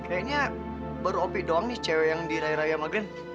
kayaknya baru opi doang nih cewek yang diraya raya sama glenn